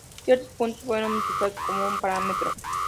Ciertos puntos fueron utilizados como un parámetro.